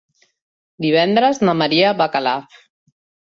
Divendres na Maria va a Calaf.